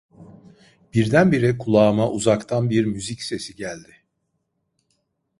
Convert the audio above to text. Birdenbire kulağıma uzaktan bir müzik sesi geldi.